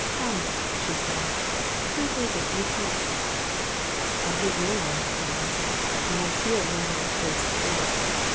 Tell me," she said, " who is it you hate? " "I hate no one," I answered; "and I fear no one face to face.